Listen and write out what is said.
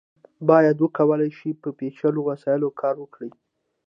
دوی باید وکولی شي په پیچلو وسایلو کار وکړي.